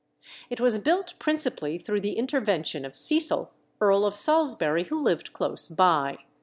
It was built principally through the intervention of Cecil, Earl of Salisbury, who lived close by.